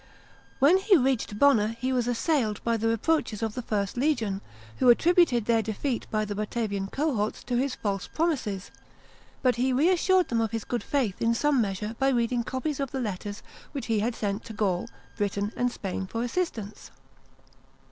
When he reached Bonna he was assailed by the reproaches of tjie 1st legion, who attributed their defeat by the Batavian cohorts to his false promises. But he reassured them of his good faith in some measure by reading copies of the letters which he had sent to Gaul, Britain, and Spain for assistance.